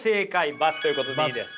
×ということでいいです。